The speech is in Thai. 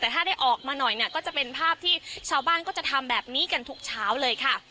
แต่ถ้าได้ออกมาหน่อยเนี่ยก็จะเป็นภาพที่ชาวบ้านก็จะทำแบบนี้กันทุกเช้าเลยค่ะ